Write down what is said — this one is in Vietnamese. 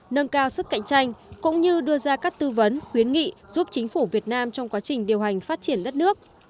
nâng cao sức cạnh tranh cũng như đưa ra các tư vấn khuyến nghị giúp chính phủ việt nam trong quá trình điều hành phát triển đất nước